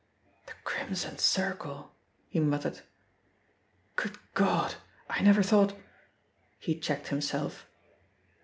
"The Crimson Circle," he muttered. "Good God I never thought " he checked himself.